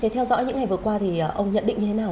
theo dõi những ngày vừa qua thì ông nhận định như thế nào